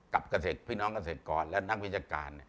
เกษตรพี่น้องเกษตรกรและนักวิชาการ